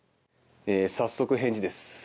早速、返事です。